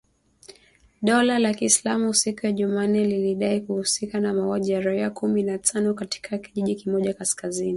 Dola la kislamu siku ya Jumanne lilidai kuhusika na mauaji ya raia kumi na tano katika kijiji kimoja kaskazini mashariki mwa Kongo